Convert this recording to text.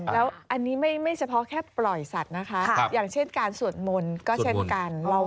แล้วอันนี้ไม่เฉพาะแค่ปล่อยสัตว์นะคะอย่างเช่นการสวดมนต์ก็เช่นกัน